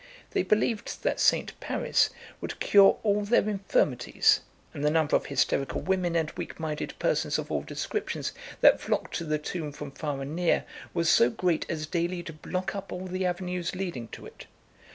They believed that St. Paris would cure all their infirmities; and the number of hysterical women and weak minded persons of all descriptions that flocked to the tomb from far and near was so great as daily to block up all the avenues leading to it.